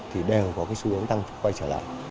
thì đều có cái xu hướng tăng quay trở lại